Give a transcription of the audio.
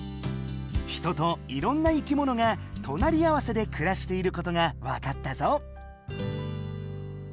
人といろんな生きものがとなり合わせでくらしていることがわかったぞ。